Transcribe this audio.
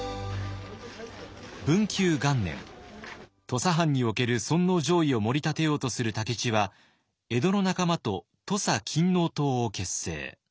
土佐藩における尊皇攘夷をもり立てようとする武市は江戸の仲間と土佐勤王党を結成。